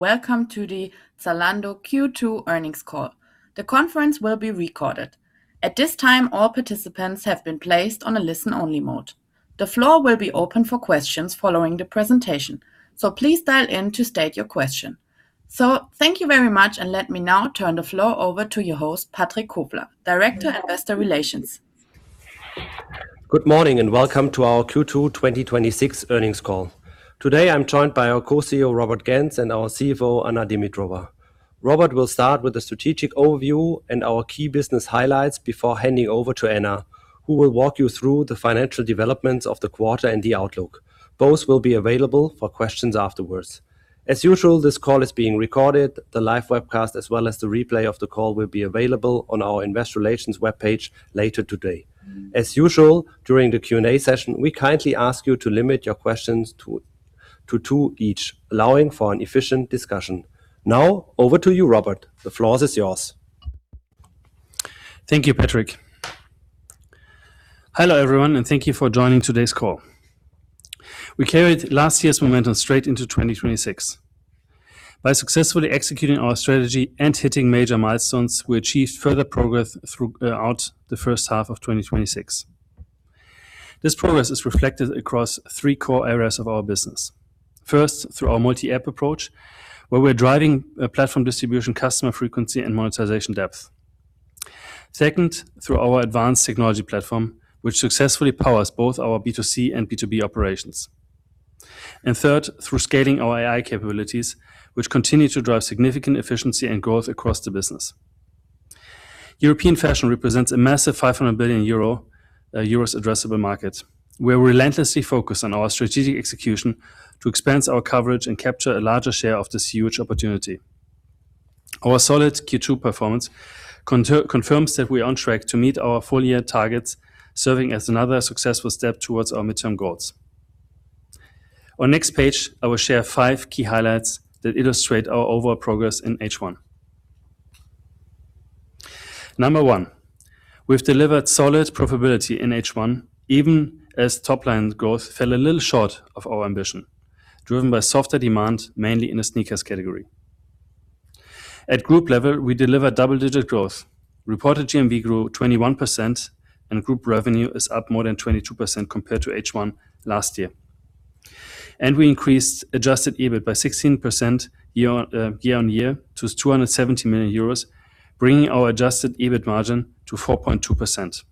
Welcome to the Zalando Q2 earnings call. The conference will be recorded. At this time, all participants have been placed on a listen-only mode. The floor will be open for questions following the presentation, please dial in to state your question. Thank you very much, and let me now turn the floor over to your host, Patrick Kofler, Director, Investor Relations. Good morning and welcome to our Q2 2026 earnings call. Today, I'm joined by our Co-CEO, Robert Gentz, and our CFO, Anna Dimitrova. Robert will start with a strategic overview and our key business highlights before handing over to Anna, who will walk you through the financial developments of the quarter and the outlook. Both will be available for questions afterwards. As usual, this call is being recorded. The live webcast, as well as the replay of the call, will be available on our investor relations webpage later today. As usual, during the Q&A session, we kindly ask you to limit your questions to two each, allowing for an efficient discussion. Over to you, Robert. The floor is yours. Thank you, Patrick. Hello, everyone, and thank you for joining today's call. We carried last year's momentum straight into 2026. By successfully executing our strategy and hitting major milestones, we achieved further progress throughout the first half of 2026. This progress is reflected across three core areas of our business. First, through our multi-app approach, where we're driving platform distribution, customer frequency, and monetization depth. Second, through our advanced technology platform, which successfully powers both our B2C and B2B operations. Third, through scaling our AI capabilities, which continue to drive significant efficiency and growth across the business. European fashion represents a massive 500 billion euro addressable market. We're relentlessly focused on our strategic execution to expand our coverage and capture a larger share of this huge opportunity. Our solid Q2 performance confirms that we're on track to meet our full-year targets, serving as another successful step towards our midterm goals. On the next page, I will share five key highlights that illustrate our overall progress in H1. Number one, we've delivered solid profitability in H1, even as top-line growth fell a little short of our ambition, driven by softer demand, mainly in the sneakers category. At group level, we delivered double-digit growth. Reported GMV grew 21%, and group revenue is up more than 22% compared to H1 last year. We increased adjusted EBIT by 16% year-on-year to 270 million euros, bringing our adjusted EBIT margin to 4.2%.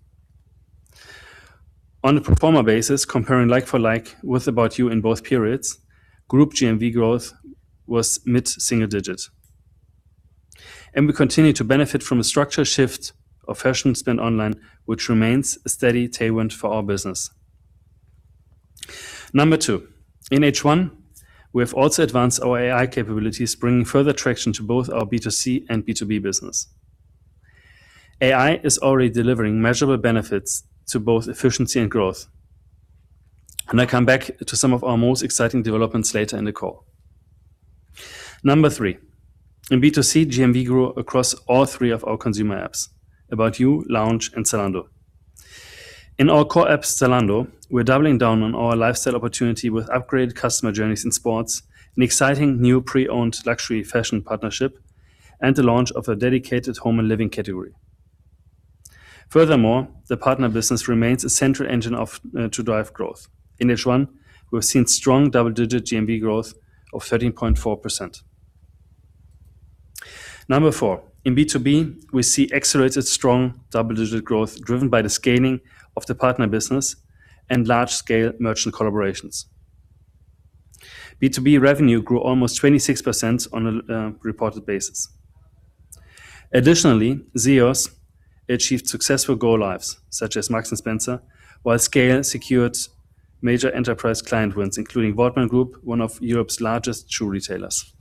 On a pro forma basis, comparing like-for-like with ABOUT YOU in both periods, group GMV growth was mid-single digits. We continue to benefit from a structural shift of fashion spend online, which remains a steady tailwind for our business. Number two, in H1, we have also advanced our AI capabilities, bringing further traction to both our B2C and B2B business. AI is already delivering measurable benefits to both efficiency and growth. I come back to some of our most exciting developments later in the call. Number three, in B2C, GMV grew across all three of our consumer apps, ABOUT YOU, Lounge, and Zalando. In our core app, Zalando, we're doubling down on our lifestyle opportunity with upgraded customer journeys in sports, an exciting new pre-owned luxury fashion partnership, and the launch of a dedicated home and living category. Furthermore, the partner business remains a central engine to drive growth. In H1, we've seen strong double-digit GMV growth of 13.4%. Number four, in B2B, we see accelerated strong double-digit growth driven by the scaling of the partner business and large-scale merchant collaborations. B2B revenue grew almost 26% on a reported basis. Additionally, ZEOS achieved successful go-lives, such as Marks & Spencer, while SCAYLE secured major enterprise client wins, including Wortmann Group, one of Europe's largest shoe retailers.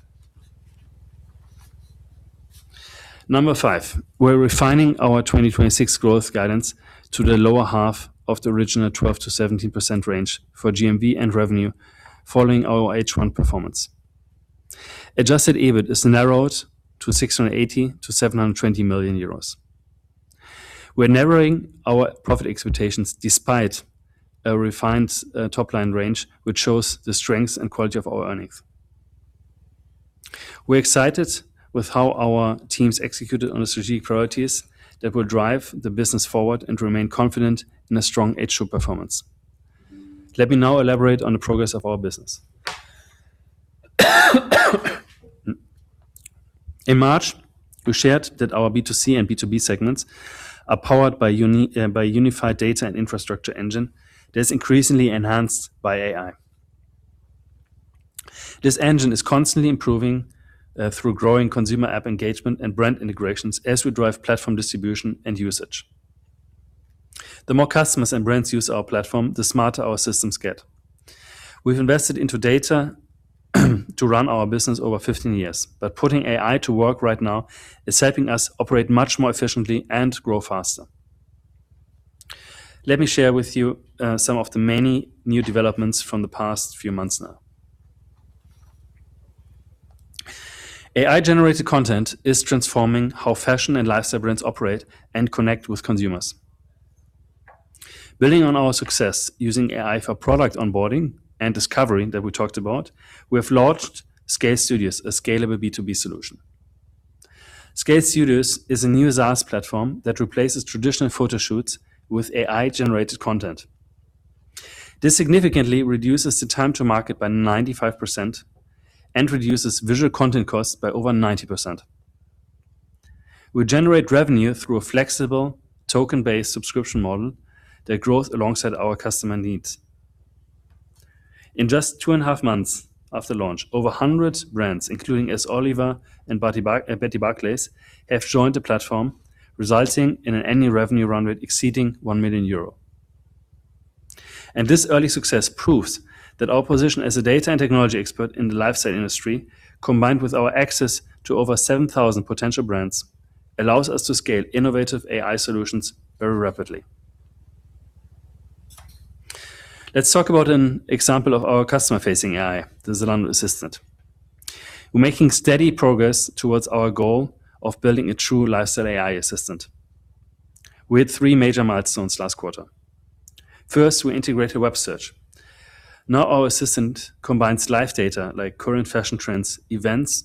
Number five, we're refining our 2026 growth guidance to the lower half of the original 12%-17% range for GMV and revenue following our H1 performance. Adjusted EBIT is narrowed to 680 million-720 million euros. We're narrowing our profit expectations despite a refined top-line range, which shows the strength and quality of our earnings. We're excited with how our teams executed on the strategic priorities that will drive the business forward and remain confident in a strong H2 performance. Let me now elaborate on the progress of our business. In March, we shared that our B2C and B2B segments are powered by a unified data and infrastructure engine that is increasingly enhanced by AI. This engine is constantly improving through growing consumer app engagement and brand integrations as we drive platform distribution and usage. The more customers and brands use our platform, the smarter our systems get. We've invested into data to run our business over 15 years, but putting AI to work right now is helping us operate much more efficiently and grow faster. Let me share with you some of the many new developments from the past few months now. AI-generated content is transforming how fashion and lifestyle brands operate and connect with consumers. Building on our success using AI for product onboarding and discovery that we talked about, we have launched SCAYLE STUDIOS, a scalable B2B solution. SCAYLE STUDIOS is a new SaaS platform that replaces traditional photoshoots with AI-generated content. This significantly reduces the time to market by 95% and reduces visual content costs by over 90%. We generate revenue through a flexible token-based subscription model that grows alongside our customer needs. In just 2.5 months after launch, over 100 brands, including s.Oliver and Betty Barclay, have joined the platform, resulting in an annual revenue run rate exceeding 1 million euro. This early success proves that our position as a data and technology expert in the lifestyle industry, combined with our access to over 7,000 potential brands, allows us to scale innovative AI solutions very rapidly. Let's talk about an example of our customer-facing AI, the Zalando Assistant. We're making steady progress towards our goal of building a true lifestyle AI assistant. We had three major milestones last quarter. First, we integrated web search. Now our assistant combines live data like current fashion trends, events,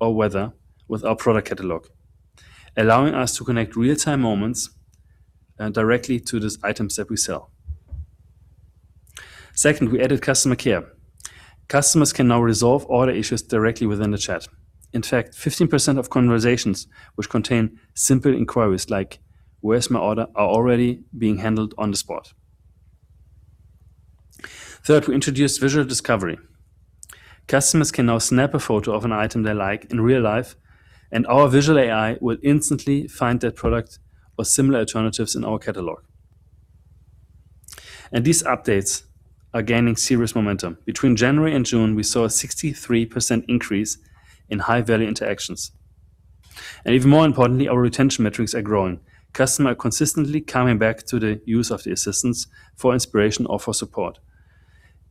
or weather with our product catalog, allowing us to connect real-time moments directly to these items that we sell. Second, we added customer care. Customers can now resolve order issues directly within the chat. In fact, 15% of conversations which contain simple inquiries like, "Where's my order?" are already being handled on the spot. Third, we introduced visual discovery. Customers can now snap a photo of an item they like in real life, and our visual AI will instantly find that product or similar alternatives in our catalog. These updates are gaining serious momentum. Between January and June, we saw a 63% increase in high-value interactions. Even more importantly, our retention metrics are growing. Customers are consistently coming back to the use of the assistants for inspiration or for support.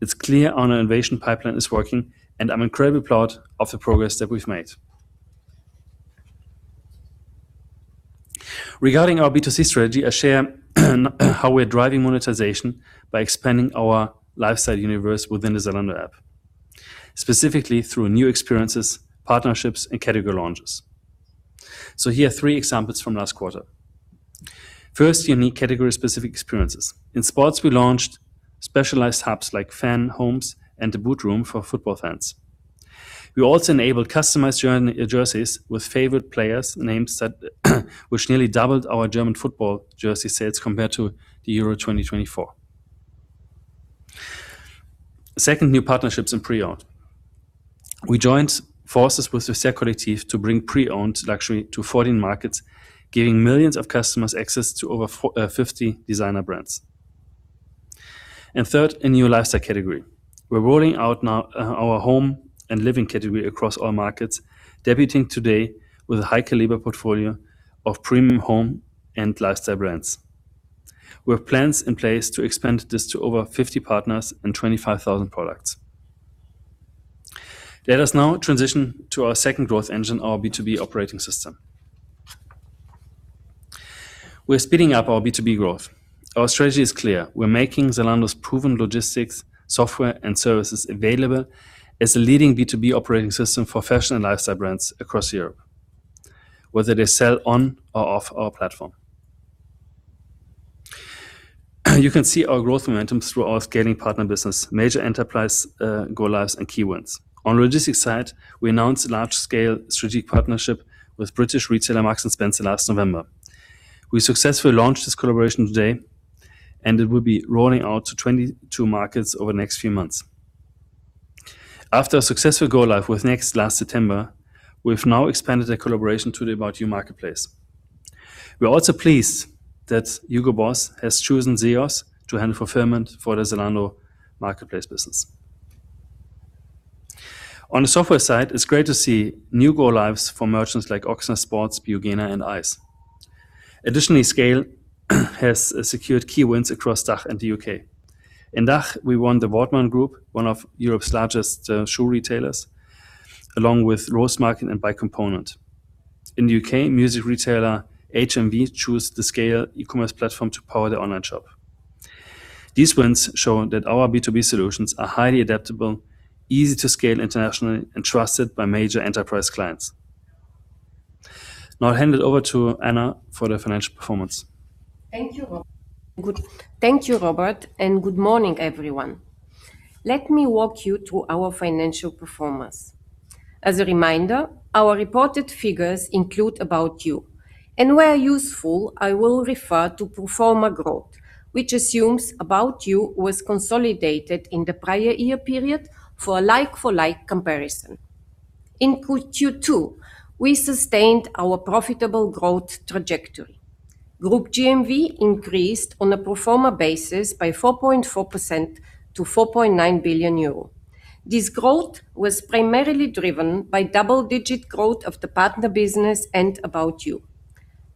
It's clear our innovation pipeline is working, and I'm incredibly proud of the progress that we've made. Regarding our B2C strategy, I share how we're driving monetization by expanding our lifestyle universe within the Zalando app, specifically through new experiences, partnerships, and category launches. Here are three examples from last quarter. First, unique category-specific experiences. In sports, we launched specialized hubs like fan homes and the Boot Room for football fans. We also enabled customized jerseys with favorite players' names which nearly doubled our German football jersey sales compared to the Euro 2024. Second, new partnerships in pre-owned. We joined forces with the Vestiaire Collective to bring pre-owned luxury to 14 markets, giving millions of customers access to over 50 designer brands. Third, a new lifestyle category. We're rolling out now our home and living category across all markets, debuting today with a high-caliber portfolio of premium home and lifestyle brands. We have plans in place to expand this to over 50 partners and 25,000 products. Let us now transition to our second growth engine, our B2B operating system. We're speeding up our B2B growth. Our strategy is clear. We're making Zalando's proven logistics, software, and services available as a leading B2B operating system for fashion and lifestyle brands across Europe, whether they sell on or off our platform. You can see our growth momentum through our scaling partner business, major enterprise go lives, and key wins. On the logistics side, we announced a large-scale strategic partnership with British retailer Marks & Spencer last November. We successfully launched this collaboration today. It will be rolling out to 22 markets over the next few months. After a successful go live with Next last September, we've now expanded their collaboration to the ABOUT YOU marketplace. We are also pleased that Hugo Boss has chosen ZEOS to handle fulfillment for the Zalando marketplace business. On the software side, it's great to see new go lives for merchants like Ochsner Sport, Bogner, and Iceberg. Additionally, SCAYLE has secured key wins across DACH and the U.K. In DACH, we won the Wortmann Group, one of Europe's largest shoe retailers, along with Roastmarket and Bike Components. In the U.K., music retailer HMV chose the SCAYLE e-commerce platform to power their online shop. These wins show that our B2B solutions are highly adaptable, easy to scale internationally, and trusted by major enterprise clients. I'll hand it over to Anna for the financial performance. Thank you, Robert, good morning, everyone. Let me walk you through our financial performance. As a reminder, our reported figures include ABOUT YOU, where useful, I will refer to pro forma growth, which assumes ABOUT YOU was consolidated in the prior year period for a like-for-like comparison. In Q2, we sustained our profitable growth trajectory. Group GMV increased on a pro forma basis by 4.4% to 4.9 billion euro. This growth was primarily driven by double-digit growth of the partner business and ABOUT YOU.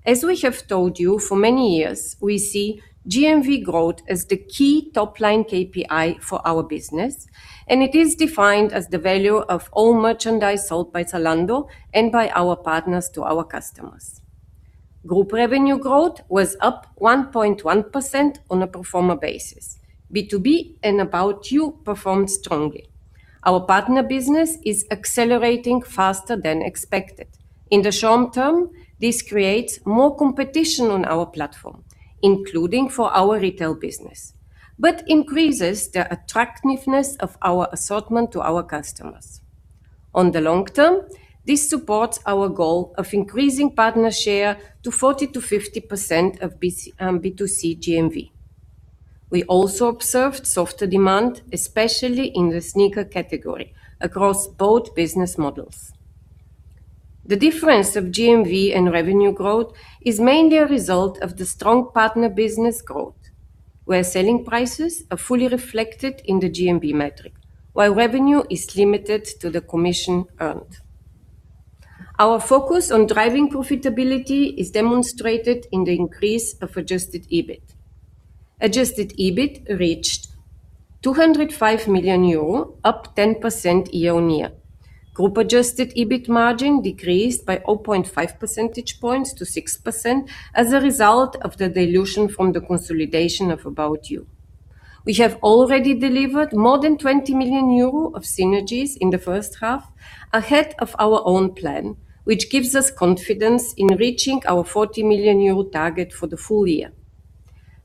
As we have told you for many years, we see GMV growth as the key top-line KPI for our business, it is defined as the value of all merchandise sold by Zalando and by our partners to our customers. Group revenue growth was up 1.1% on a pro forma basis. B2B and ABOUT YOU performed strongly. Our partner business is accelerating faster than expected. In the short term, this creates more competition on our platform, including for our retail business, increases the attractiveness of our assortment to our customers. On the long term, this supports our goal of increasing partner share to 40%-50% of B2C GMV. We also observed softer demand, especially in the sneaker category, across both business models. The difference of GMV and revenue growth is mainly a result of the strong partner business growth, where selling prices are fully reflected in the GMV metric, while revenue is limited to the commission earned. Our focus on driving profitability is demonstrated in the increase of adjusted EBIT. Adjusted EBIT reached 205 million euro, up 10% year-over-year. Group adjusted EBIT margin decreased by 0.5 percentage points to 6% as a result of the dilution from the consolidation of ABOUT YOU. We have already delivered more than 20 million euro of synergies in the first half, ahead of our own plan, which gives us confidence in reaching our 40 million euro target for the full year.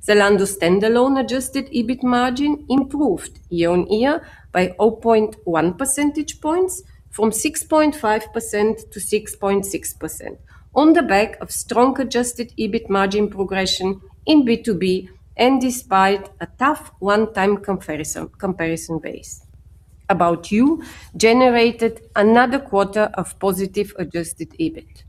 Zalando standalone adjusted EBIT margin improved year-over-year by 0.1 percentage points from 6.5% to 6.6%, on the back of strong adjusted EBIT margin progression in B2B and despite a tough one-time comparison base. ABOUT YOU generated another quarter of positive adjusted EBIT.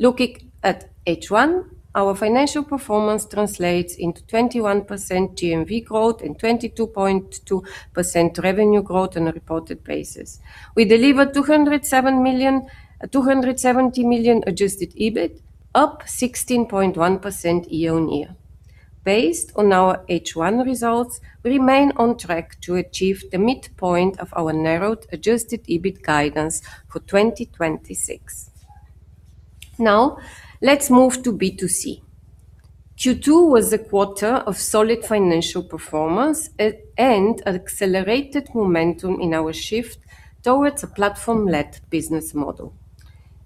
Looking at H1, our financial performance translates into 21% GMV growth and 22.2% revenue growth on a reported basis. We delivered 270 million adjusted EBIT, up 16.1% year-over-year. Based on our H1 results, we remain on track to achieve the midpoint of our narrowed adjusted EBIT guidance for 2026. Let's move to B2C. Q2 was a quarter of solid financial performance and accelerated momentum in our shift towards a platform-led business model.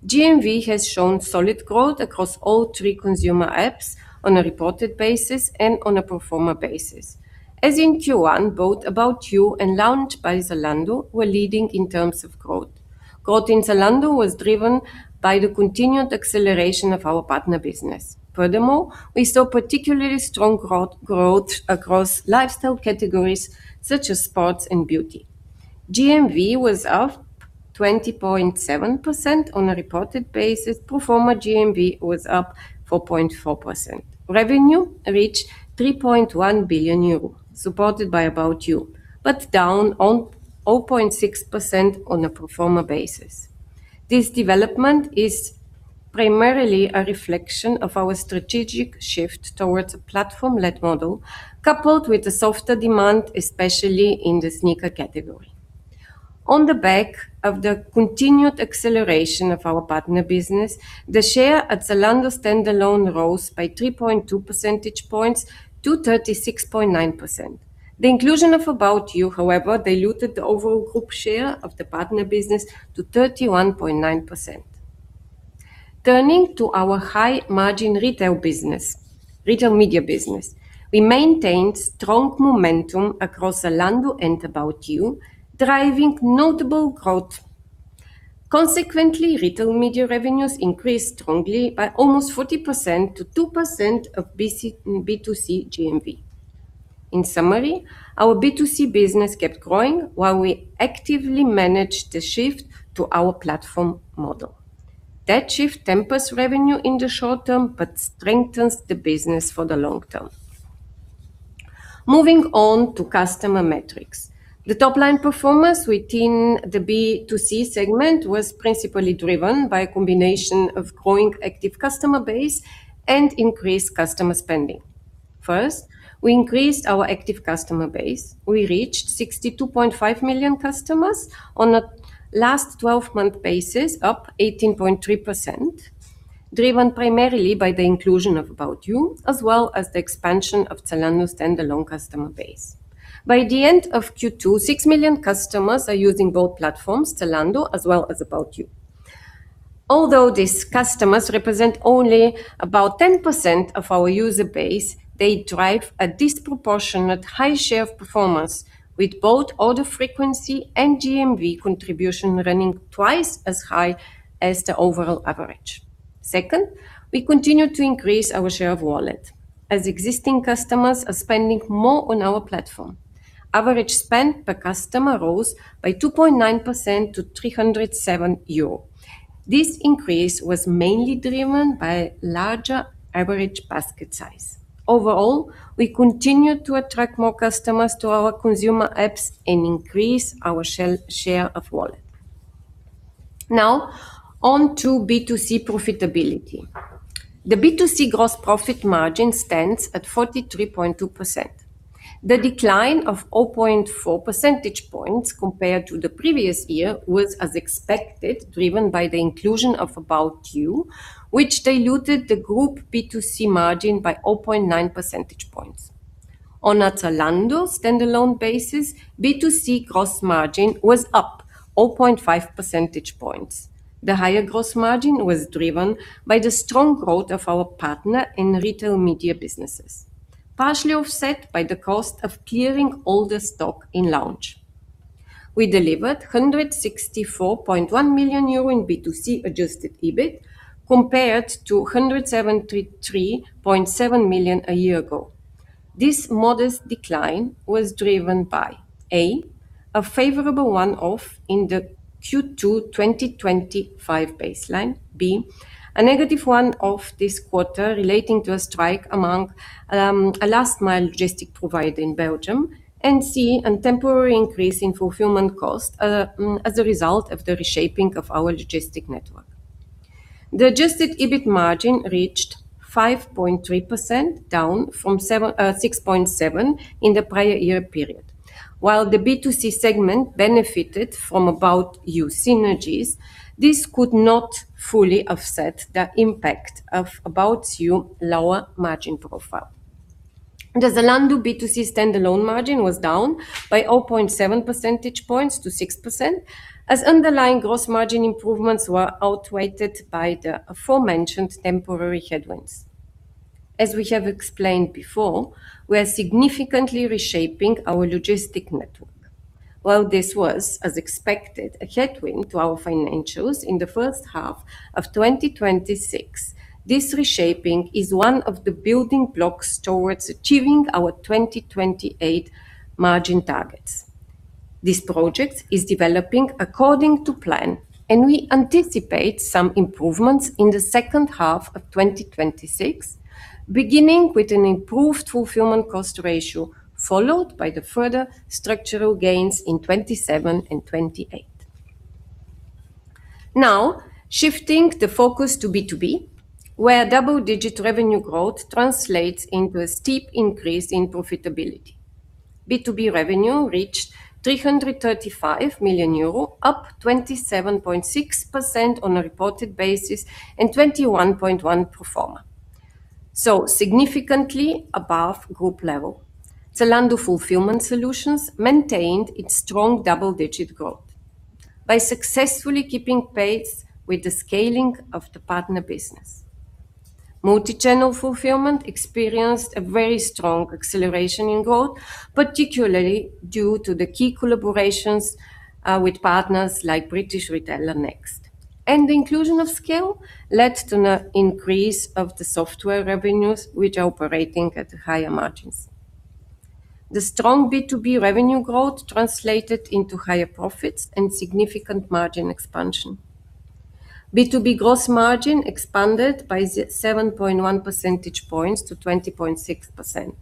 GMV has shown solid growth across all three consumer apps on a reported basis and on a pro forma basis. As in Q1, both ABOUT YOU and Lounge by Zalando were leading in terms of growth. Growth in Zalando was driven by the continued acceleration of our partner business. We saw particularly strong growth across lifestyle categories such as sports and beauty. GMV was up 20.7% on a reported basis. Pro forma GMV was up 4.4%. Revenue reached 3.1 billion euro, supported by ABOUT YOU, down 0.6% on a pro forma basis. This development is primarily a reflection of our strategic shift towards a platform-led model, coupled with a softer demand, especially in the sneaker category. On the back of the continued acceleration of our partner business, the share at Zalando standalone rose by 3.2 percentage points to 36.9%. The inclusion of ABOUT YOU, however, diluted the overall group share of the partner business to 31.9%. Turning to our high margin retail media business, we maintained strong momentum across Zalando and ABOUT YOU, driving notable growth. Consequently, retail media revenues increased strongly by almost 40% to 2% of B2C GMV. In summary, our B2C business kept growing while we actively managed the shift to our platform model. That shift tempers revenue in the short term, but strengthens the business for the long term. Moving on to customer metrics. The top-line performance within the B2C segment was principally driven by a combination of growing active customer base and increased customer spending. First, we increased our active customer base. We reached 62.5 million customers on a last 12-month basis, up 18.3%, driven primarily by the inclusion of ABOUT YOU, as well as the expansion of Zalando's standalone customer base. By the end of Q2, 6 million customers are using both platforms, Zalando as well as ABOUT YOU. Although these customers represent only about 10% of our user base, they drive a disproportionate high share of performance, with both order frequency and GMV contribution running twice as high as the overall average. Second, we continue to increase our share of wallet, as existing customers are spending more on our platform. Average spend per customer rose by 2.9% to 307 euro. This increase was mainly driven by larger average basket size. Overall, we continue to attract more customers to our consumer apps and increase our share of wallet. Now, on to B2C profitability. The B2C gross profit margin stands at 43.2%. The decline of 0.4 percentage points compared to the previous year was as expected, driven by the inclusion of ABOUT YOU, which diluted the group B2C margin by 0.9 percentage points. On a Zalando standalone basis, B2C gross margin was up 0.5 percentage points. The higher gross margin was driven by the strong growth of our partner and retail media businesses, partially offset by the cost of clearing all the stock in Lounge. We delivered 164.1 million euro in B2C adjusted EBIT compared to 173.7 million a year ago. This modest decline was driven by, A, a favorable one-off in the Q2 2025 baseline, B, a negative one-off this quarter relating to a strike among a last-mile logistics provider in Belgium, and C, a temporary increase in fulfillment cost as a result of the reshaping of our logistics network. The adjusted EBIT margin reached 5.3%, down from 6.7% in the prior year period. While the B2C segment benefited from ABOUT YOU synergies, this could not fully offset the impact of ABOUT YOU lower margin profile. The Zalando B2C standalone margin was down by 0.7 percentage points to 6%, as underlying gross margin improvements were outweighed by the aforementioned temporary headwinds. As we have explained before, we are significantly reshaping our logistics network. While this was, as expected, a headwind to our financials in the first half of 2026, this reshaping is one of the building blocks towards achieving our 2028 margin targets. This project is developing according to plan, and we anticipate some improvements in the second half of 2026, beginning with an improved fulfillment cost ratio, followed by the further structural gains in 2027 and 2028. Shifting the focus to B2B, where double-digit revenue growth translates into a steep increase in profitability. B2B revenue reached 335 million euro, up 27.6% on a reported basis, and 21.1% pro forma, significantly above group level. Zalando Fulfillment Solutions maintained its strong double-digit growth by successfully keeping pace with the scaling of the partner business. multichannel fulfillment experienced a very strong acceleration in growth, particularly due to the key collaborations with partners like British retailer Next. The inclusion of SCAYLE led to an increase of the software revenues, which are operating at higher margins. The strong B2B revenue growth translated into higher profits and significant margin expansion. B2B gross margin expanded by 7.1 percentage points to 20.6%,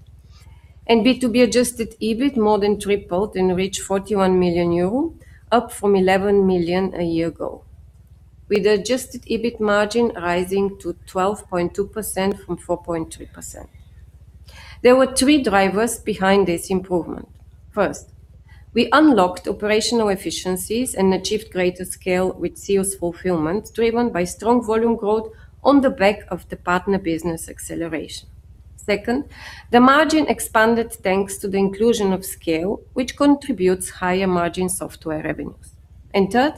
and B2B adjusted EBIT more than tripled and reached 41 million euro, up from 11 million a year ago, with adjusted EBIT margin rising to 12.2% from 4.3%. There were three drivers behind this improvement. First, we unlocked operational efficiencies and achieved greater scale with ZEOS fulfillment, driven by strong volume growth on the back of the partner business acceleration. Second, the margin expanded thanks to the inclusion of SCAYLE, which contributes higher margin software revenues. Third,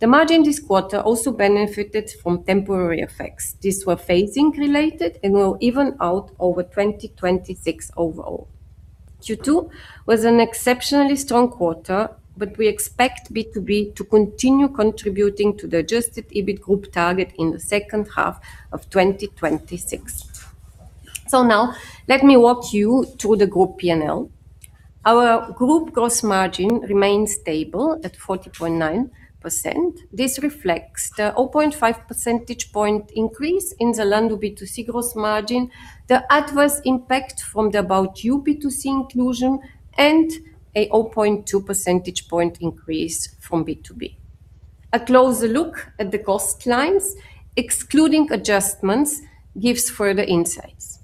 the margin this quarter also benefited from temporary effects. These were phasing related and will even out over 2026 overall. Q2 was an exceptionally strong quarter, but we expect B2B to continue contributing to the adjusted EBIT group target in the second half of 2026. Let me walk you through the group P&L. Our group gross margin remains stable at 40.9%. This reflects the 0.5 percentage point increase in Zalando B2C gross margin, the adverse impact from the ABOUT YOU B2C inclusion, and a 0.2 percentage point increase from B2B. A closer look at the cost lines, excluding adjustments, gives further insights.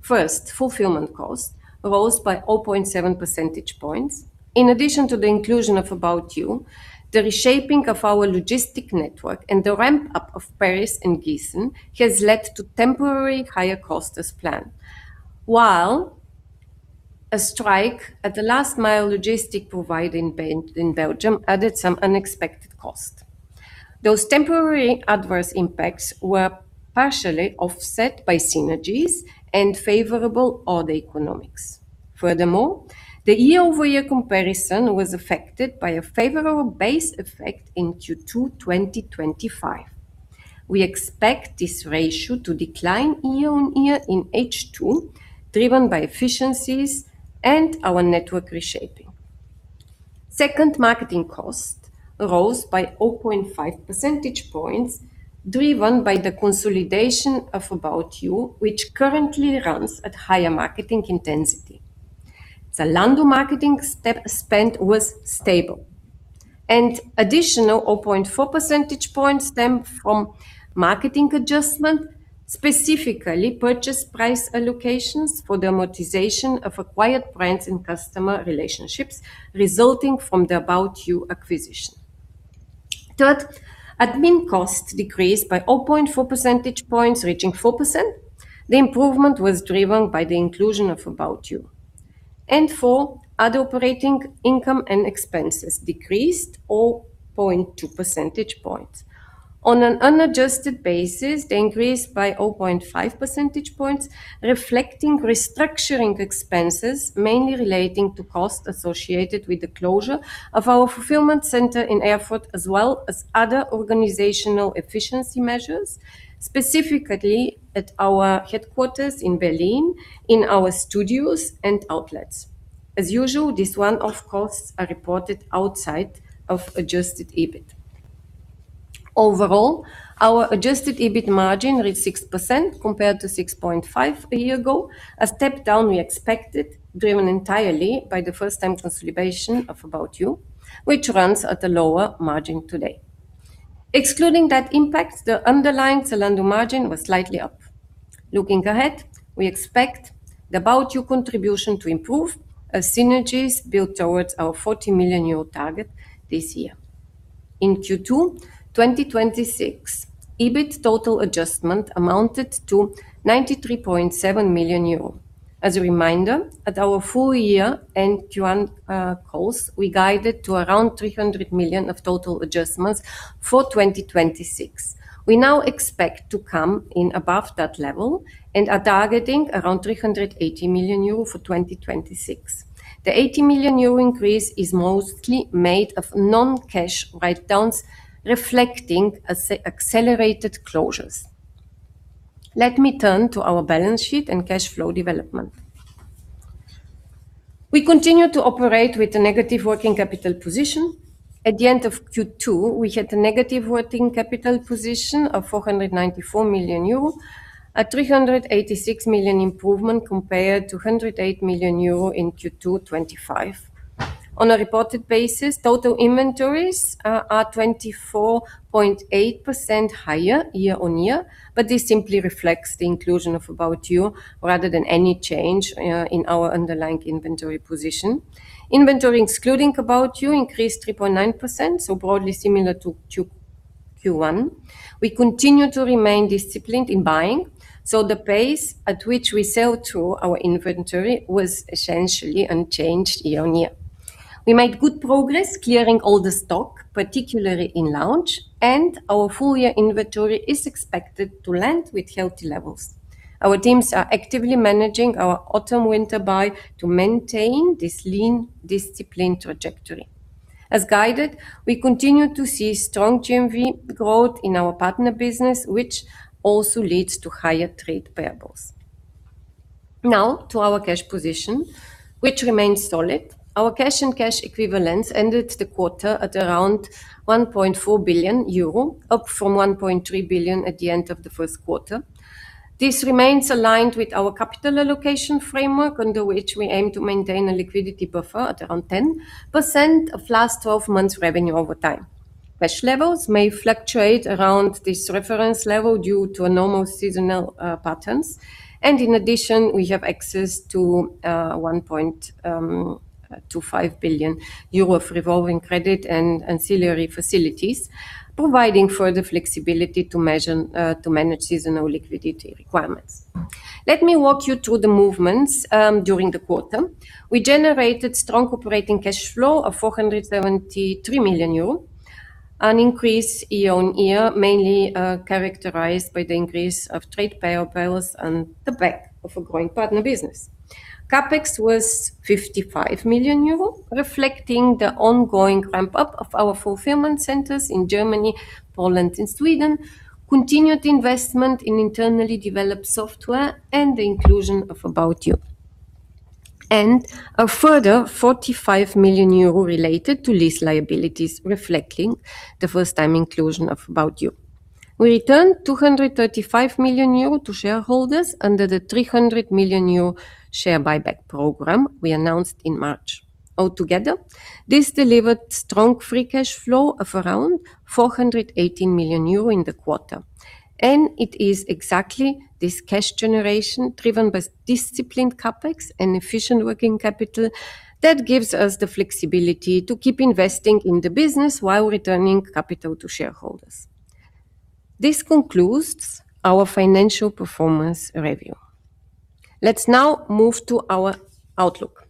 First, fulfillment cost rose by 0.7 percentage points. In addition to the inclusion of ABOUT YOU, the reshaping of our logistic network and the ramp-up of Paris and Giessen has led to temporary higher cost as planned, while a strike at the last mile logistic provider in Belgium added some unexpected cost. Those temporary adverse impacts were partially offset by synergies and favorable order economics. Furthermore, the year-over-year comparison was affected by a favorable base effect in Q2 2025. We expect this ratio to decline year-on-year in H2, driven by efficiencies and our network reshaping. Second, marketing cost rose by 0.5 percentage points, driven by the consolidation of ABOUT YOU, which currently runs at higher marketing intensity. Zalando marketing spend was stable. Additional 0.4 percentage points stem from marketing adjustment, specifically purchase price allocations for the amortization of acquired brands and customer relationships resulting from the ABOUT YOU acquisition. Third, admin costs decreased by 0.4 percentage points, reaching 4%. The improvement was driven by the inclusion of ABOUT YOU. Fourth, other operating income and expenses decreased 0.2 percentage points. On an unadjusted basis, they increased by 0.5 percentage points, reflecting restructuring expenses, mainly relating to costs associated with the closure of our fulfillment center in Erfurt, as well as other organizational efficiency measures, specifically at our headquarters in Berlin, in our studios and outlets. As usual, these one-off costs are reported outside of adjusted EBIT. Overall, our adjusted EBIT margin reached 6% compared to 6.5% a year ago, a step down we expected, driven entirely by the first time consolidation of ABOUT YOU, which runs at a lower margin today. Excluding that impact, the underlying Zalando margin was slightly up. Looking ahead, we expect the ABOUT YOU contribution to improve as synergies build towards our 40 million euro target this year. In Q2 2026, EBIT total adjustment amounted to 93.7 million euro. As a reminder, at our full year and Q1 calls, we guided to around 300 million of total adjustments for 2026. We now expect to come in above that level and are targeting around 380 million euro for 2026. The 80 million euro increase is mostly made of non-cash write-downs, reflecting accelerated closures. Let me turn to our balance sheet and cash flow development. We continue to operate with a negative working capital position. At the end of Q2, we had a negative working capital position of 494 million euro, a 386 million improvement compared to 108 million euro in Q2 2025. On a reported basis, total inventories are 24.8% higher year-over-year, but this simply reflects the inclusion of ABOUT YOU rather than any change in our underlying inventory position. Inventory excluding ABOUT YOU increased 3.9%, so broadly similar to Q1. We continue to remain disciplined in buying, so the pace at which we sell to our inventory was essentially unchanged year-on-year. We made good progress clearing older stock, particularly in Lounge, and our full year inventory is expected to land with healthy levels. Our teams are actively managing our autumn/winter buy to maintain this lean, disciplined trajectory. As guided, we continue to see strong GMV growth in our partner business, which also leads to higher trade payables. Now to our cash position, which remains solid. Our cash and cash equivalents ended the quarter at around 1.4 billion euro, up from 1.3 billion at the end of the first quarter. This remains aligned with our capital allocation framework, under which we aim to maintain a liquidity buffer at around 10% of last 12 months revenue over time. Cash levels may fluctuate around this reference level due to normal seasonal patterns. In addition, we have access to 1.25 billion euro of revolving credit and ancillary facilities, providing further flexibility to manage seasonal liquidity requirements. Let me walk you through the movements during the quarter. We generated strong operating cash flow of 473 million euro, an increase year-on-year, mainly characterized by the increase of trade payables and the back of a growing partner business. CapEx was 55 million euro, reflecting the ongoing ramp-up of our fulfillment centers in Germany, Poland and Sweden, continued investment in internally developed software, and the inclusion of ABOUT YOU, and a further 45 million euro related to lease liabilities, reflecting the first-time inclusion of ABOUT YOU. We returned 235 million euro to shareholders under the 300 million euro share buyback program we announced in March. Altogether, this delivered strong free cash flow of around 418 million euro in the quarter. It is exactly this cash generation, driven by disciplined CapEx and efficient working capital, that gives us the flexibility to keep investing in the business while returning capital to shareholders. This concludes our financial performance review. Let's now move to our outlook.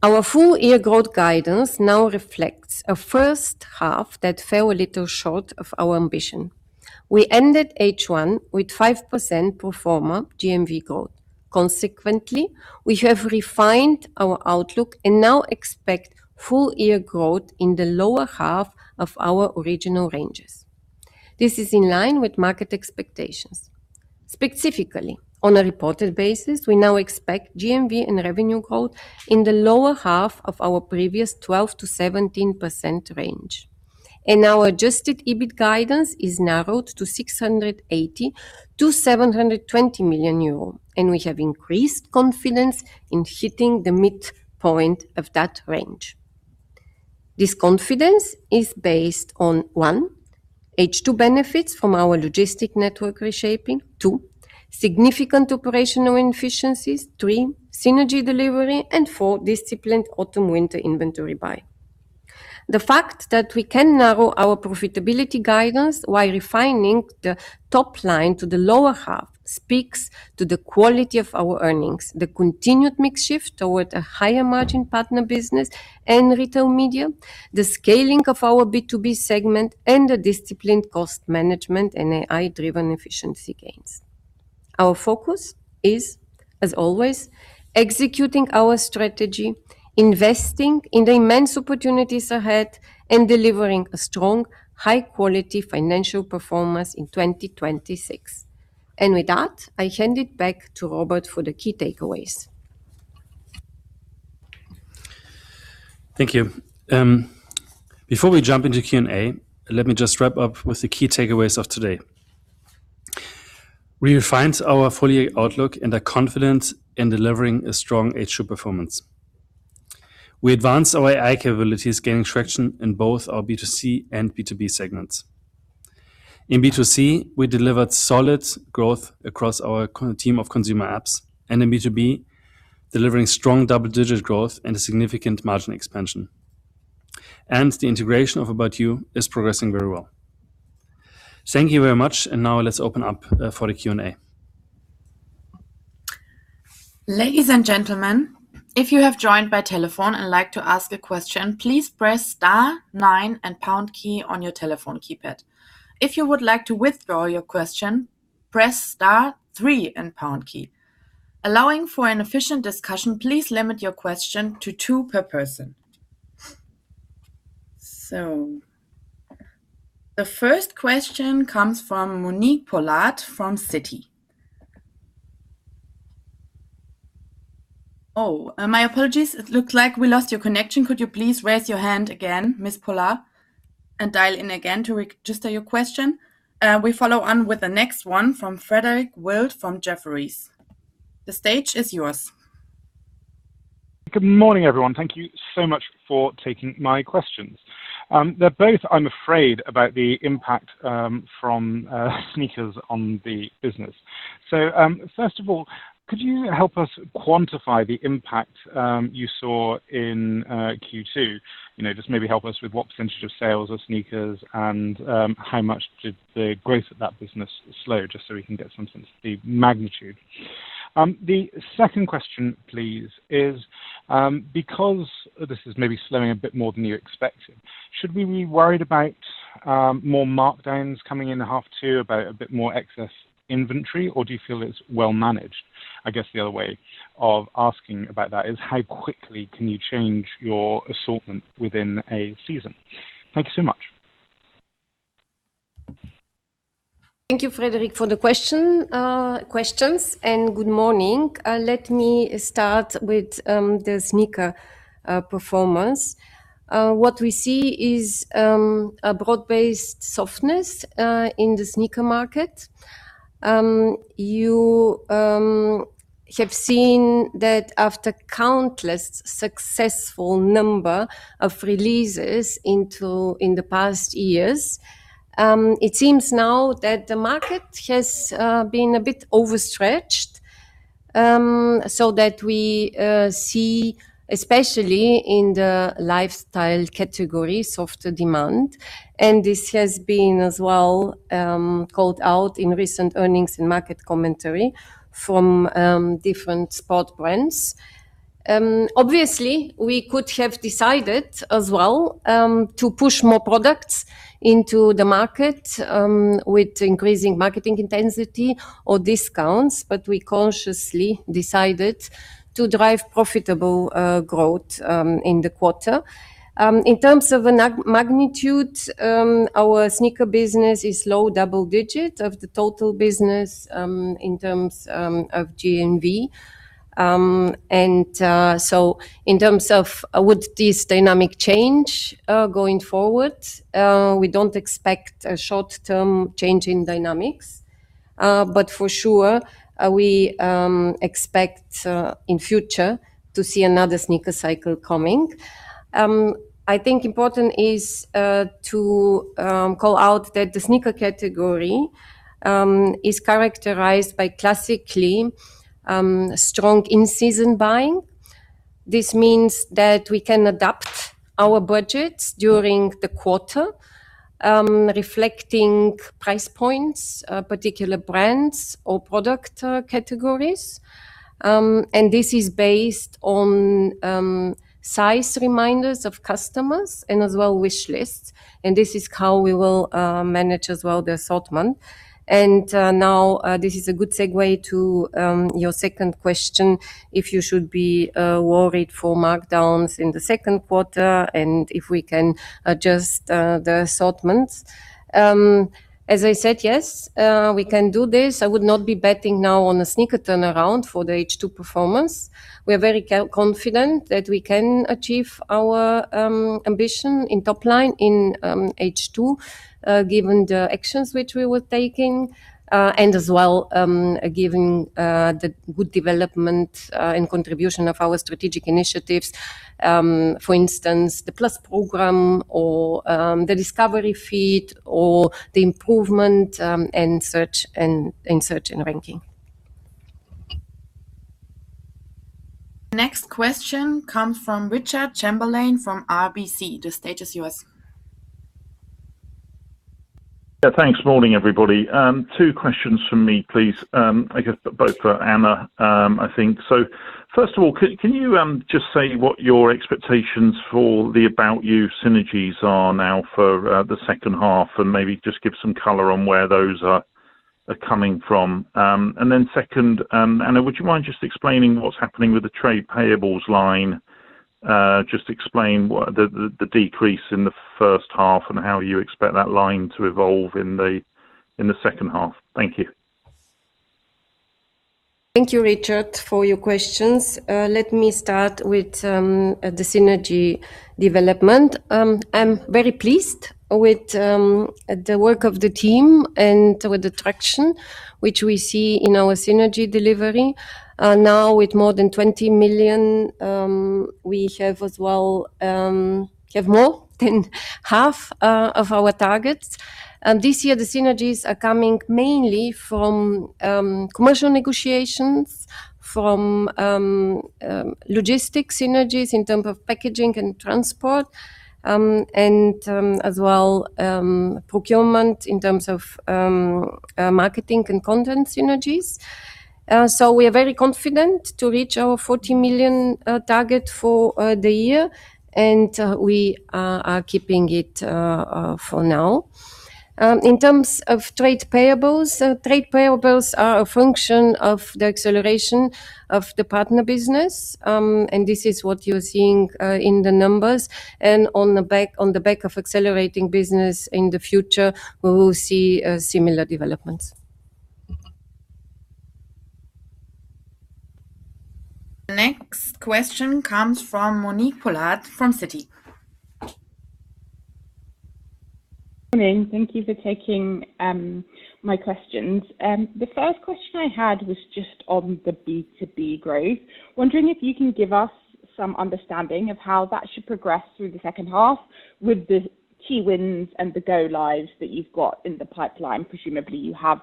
Our full year growth guidance now reflects a first half that fell a little short of our ambition. We ended H1 with 5% pro forma GMV growth. Consequently, we have refined our outlook and now expect full year growth in the lower half of our original ranges. This is in line with market expectations. Specifically, on a reported basis, we now expect GMV and revenue growth in the lower half of our previous 12%-17% range. Our adjusted EBIT guidance is narrowed to 680 million-720 million euro, and we have increased confidence in hitting the midpoint of that range. This confidence is based on: one, H2 benefits from our logistics network reshaping; two, significant operational efficiencies; three, synergy delivery; and four, disciplined autumn/winter inventory buy. The fact that we can narrow our profitability guidance while refining the top line to the lower half speaks to the quality of our earnings, the continued mix shift toward a higher margin partner business and retail media, the scaling of our B2B segment, and the disciplined cost management and AI-driven efficiency gains. Our focus is, as always, executing our strategy, investing in the immense opportunities ahead, and delivering a strong, high-quality financial performance in 2026. With that, I hand it back to Robert for the key takeaways. Thank you. Before we jump into Q&A, let me just wrap up with the key takeaways of today. We refined our full-year outlook and are confident in delivering a strong H2 performance. We advanced our AI capabilities, gaining traction in both our B2C and B2B segments. In B2C, we delivered solid growth across our team of consumer apps, and in B2B, delivering strong double-digit growth and a significant margin expansion. The integration of ABOUT YOU is progressing very well. Thank you very much. Now let's open up for the Q&A. Ladies and gentlemen, if you have joined by telephone and like to ask a question, please press star nine and pound key on your telephone keypad. If you would like to withdraw your question, press star three and pound key. Allowing for an efficient discussion, please limit your question to two per person. The first question comes from Monique Pollard from Citi. My apologies. It looks like we lost your connection. Could you please raise your hand again, Ms. Pollard, and dial in again to register your question? We follow on with the next one from Frederick Wild from Jefferies. The stage is yours. Good morning, everyone. Thank you so much for taking my questions. They're both, I'm afraid, about the impact from sneakers on the business. First of all, could you help us quantify the impact you saw in Q2? Just maybe help us with what percentage of sales are sneakers, and how much did the growth of that business slow, just so we can get some sense of the magnitude? The second question, please, is, because this is maybe slowing a bit more than you expected, should we be worried about more markdowns coming into half two, about a bit more excess inventory, or do you feel it's well managed? I guess the other way of asking about that is how quickly can you change your assortment within a season? Thank you so much. Thank you, Frederick, for the questions, and good morning. Let me start with the sneaker performance. What we see is a broad-based softness in the sneaker market. You have seen that after countless successful number of releases in the past years, it seems now that the market has been a bit overstretched, that we see, especially in the lifestyle category, softer demand. This has been as well called out in recent earnings and market commentary from different sport brands. Obviously, we could have decided as well to push more products into the market with increasing marketing intensity or discounts, we consciously decided to drive profitable growth in the quarter. In terms of the magnitude, our sneaker business is low double digits of the total business in terms of GMV. In terms of would this dynamic change going forward, we don't expect a short-term change in dynamics. For sure, we expect in future to see another sneaker cycle coming. I think important is to call out that the sneaker category is characterized by classically strong in-season buying. This means that we can adapt our budgets during the quarter, reflecting price points, particular brands, or product categories. This is based on size reminders of customers and as well wish lists, and this is how we will manage as well the assortment. Now this is a good segue to your second question, if you should be worried for markdowns in the second quarter and if we can adjust the assortments. As I said, yes, we can do this. I would not be betting now on a sneaker turnaround for the H2 performance. We are very confident that we can achieve our ambition in top line in H2, given the actions which we were taking, and as well, given the good development and contribution of our strategic initiatives. For instance, the Plus program or the discovery feed, or the improvement in search and ranking. The next question comes from Richard Chamberlain from RBC. The stage is yours. Yeah. Thanks. Morning, everybody. Two questions from me, please. I guess both for Anna, I think. First of all, can you just say what your expectations for the ABOUT YOU synergies are now for the second half, and maybe just give some color on where those are coming from? Then second, Anna, would you mind just explaining what's happening with the trade payables line? Just explain the decrease in the first half and how you expect that line to evolve in the second half. Thank you. Thank you, Richard, for your questions. Let me start with the synergy development. I'm very pleased with the work of the team and with the traction which we see in our synergy delivery. Now with more than 20 million, we have more than half of our targets. This year, the synergies are coming mainly from commercial negotiations, from logistics synergies in terms of packaging and transport, and as well procurement in terms of marketing and content synergies. We are very confident to reach our 40 million target for the year, and we are keeping it for now. In terms of trade payables, trade payables are a function of the acceleration of the partner business. This is what you're seeing in the numbers. On the back of accelerating business in the future, we will see similar developments. The next question comes from Monique Pollard from Citi. Morning. Thank you for taking my questions. The first question I had was just on the B2B growth. Wondering if you can give us some understanding of how that should progress through the second half with the key wins and the go lives that you've got in the pipeline. Presumably, you have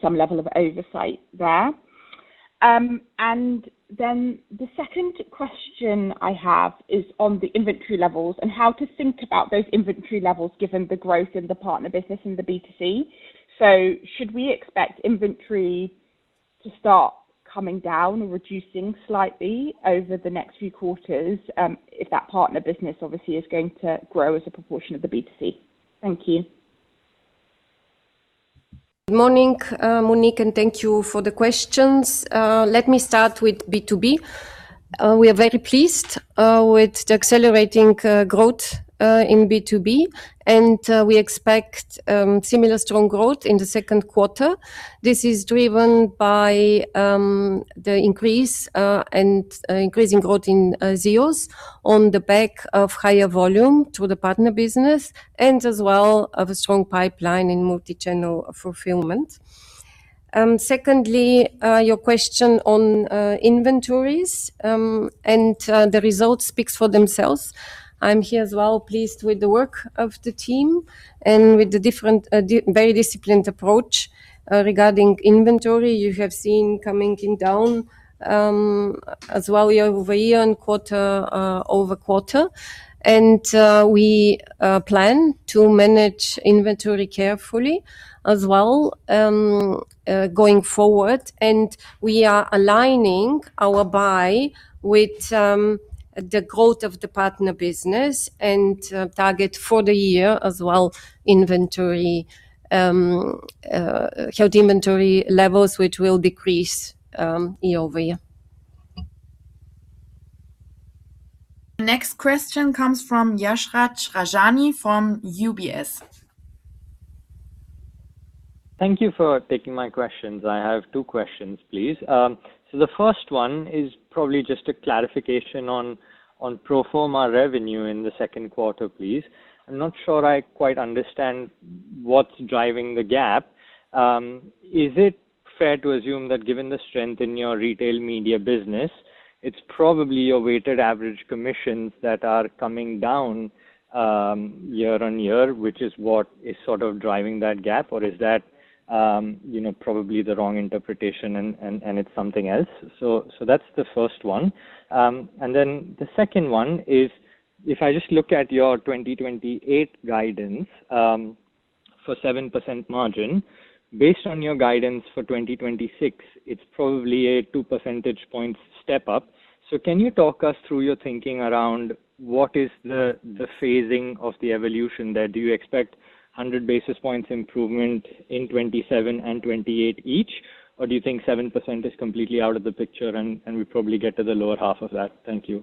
some level of oversight there. The second question I have is on the inventory levels and how to think about those inventory levels given the growth in the partner business and the B2C. Should we expect inventory to start coming down and reducing slightly over the next few quarters, if that partner business obviously is going to grow as a proportion of the B2C? Thank you. Morning, Monique, and thank you for the questions. Let me start with B2B. We are very pleased with the accelerating growth in B2B, and we expect similar strong growth in the second quarter. This is driven by the increasing growth in ZEOS on the back of higher volume through the partner business and as well of a strong pipeline in multichannel fulfillment. Secondly, your question on inventories, and the results speaks for themselves. I am here as well pleased with the work of the team and with the very disciplined approach regarding inventory you have seen coming down as well year-over-year and quarter-over-quarter. We plan to manage inventory carefully as well going forward. We are aligning our buy with the growth of the partner business and target for the year as well healthy inventory levels, which will decrease year-over-year. The next question comes from Yashraj Rajani from UBS. Thank you for taking my questions. I have two questions, please. The first one is probably just a clarification on pro forma revenue in the second quarter, please. I am not sure I quite understand what's driving the gap. Is it fair to assume that given the strength in your retail media business, it's probably your weighted average commissions that are coming down year-on-year, which is what is sort of driving that gap, or is that probably the wrong interpretation and it's something else? That's the first one. The second one is, if I just look at your 2028 guidance, for 7% margin, based on your guidance for 2026, it's probably a 2 percentage points step up. Can you talk us through your thinking around what is the phasing of the evolution there? Do you expect 100 basis points improvement in 2027 and 2028 each, or do you think 7% is completely out of the picture and we probably get to the lower half of that? Thank you.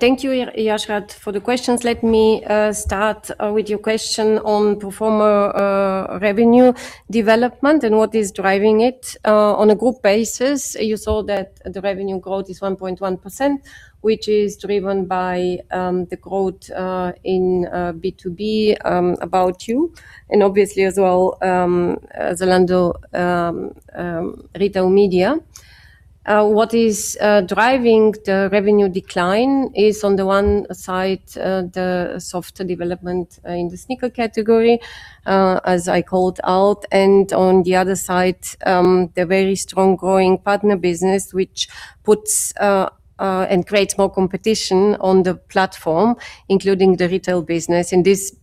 Thank you, Yashraj, for the questions. Let me start with your question on pro forma revenue development and what is driving it. On a group basis, you saw that the revenue growth is 1.1%, which is driven by the growth in B2B, ABOUT YOU, and obviously as well Zalando retail media. What is driving the revenue decline is on the one side, the softer development in the sneaker category, as I called out, and on the other side, the very strong growing partner business, which puts and creates more competition on the platform, including the retail business.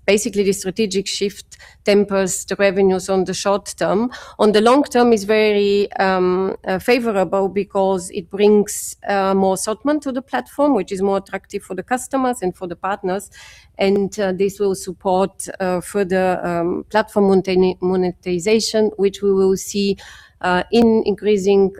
Basically, the strategic shift tempers the revenues on the short term. On the long term, it's very favorable because it brings more assortment to the platform, which is more attractive for the customers and for the partners, and this will support further platform monetization, which we will see in increasing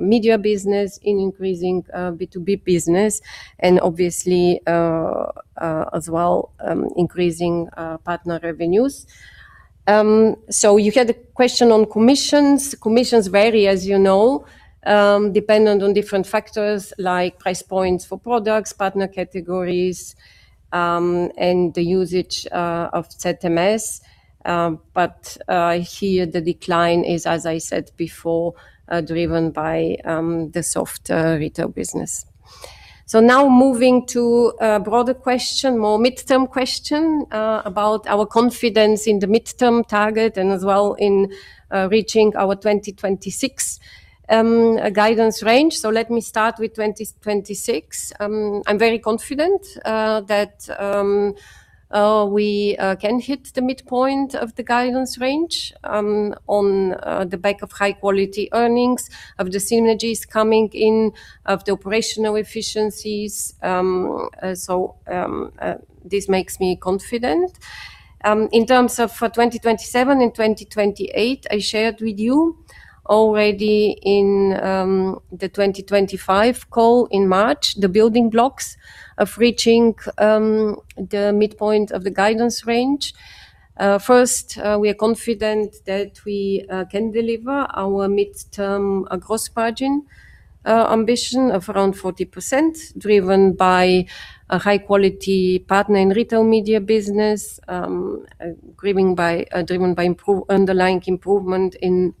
media business, in increasing B2B business, and obviously, as well, increasing partner revenues. You had a question on commissions. Commissions vary, as you know, dependent on different factors like price points for products, partner categories, and the usage of ZMS. Here, the decline is, as I said before, driven by the softer retail business. Now moving to a broader question, more midterm question, about our confidence in the midterm target and as well in reaching our 2026 guidance range. Let me start with 2026. I'm very confident that we can hit the midpoint of the guidance range on the back of high-quality earnings, of the synergies coming in, of the operational efficiencies. This makes me confident. In terms of for 2027 and 2028, I shared with you already in the 2025 call in March, the building blocks of reaching the midpoint of the guidance range. First, we are confident that we can deliver our midterm gross margin ambition of around 40%, driven by a high-quality partner and retail media business, driven by underlying improvement in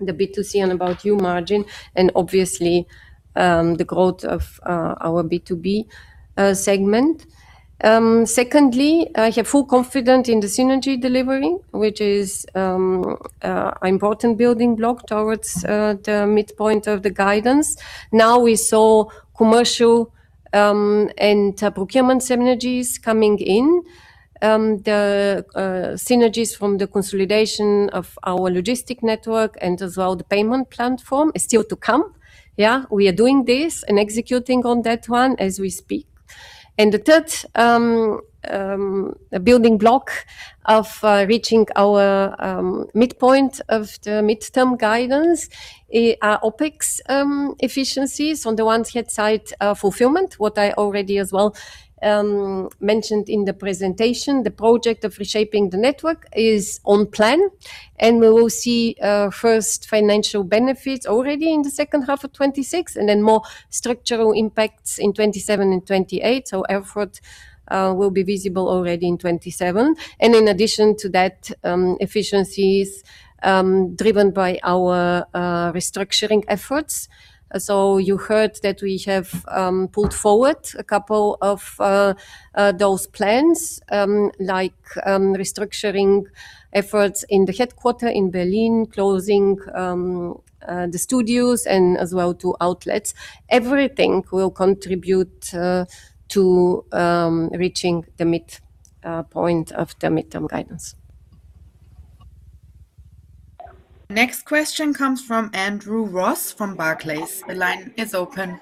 the B2C and ABOUT YOU margin, and obviously, the growth of our B2B segment. Secondly, I have full confidence in the synergy delivery, which is an important building block towards the midpoint of the guidance. Now we saw commercial and procurement synergies coming in. The synergies from the consolidation of our logistic network, as well the payment platform is still to come. We are doing this and executing on that one as we speak. The third building block of reaching our midpoint of the midterm guidance are OpEx efficiencies on the one hand side, fulfillment, what I already as well mentioned in the presentation. The project of reshaping the network is on plan, and we will see first financial benefits already in the second half of 2026, then more structural impacts in 2027 and 2028. Efforts will be visible already in 2027. In addition to that, efficiencies driven by our restructuring efforts. You heard that we have pulled forward a couple of those plans, like restructuring efforts in the headquarter in Berlin, closing the studios, and as well, two outlets. Everything will contribute to reaching the midpoint of the midterm guidance. Next question comes from Andrew Ross from Barclays. The line is open.